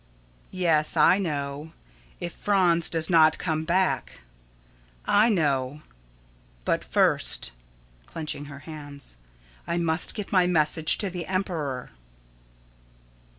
_] Yes, I know, if Franz does not come back. I know; but first [Clenching her hands] I must get my message to the emperor.